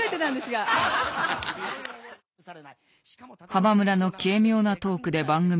浜村の軽妙なトークで番組はスタート。